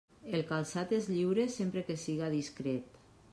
El calçat és lliure sempre que siga discret.